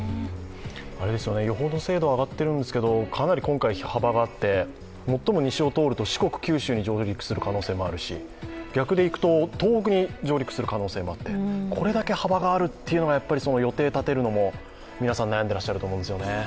よほど精度が上がってるんですけど最も西を通ると四国・九州に上陸する可能性もあるし逆でいくと東北に上陸する可能性があってこれだけ幅があるというのは予定を立てるのにも皆さん悩んでいると思います。